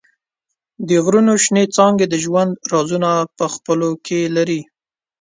د غرونو شنېڅانګې د ژوند رازونه په خپلو کې لري.